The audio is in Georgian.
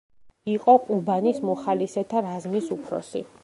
იყო ყუბანის მოხალისეთა რაზმის უფროსი.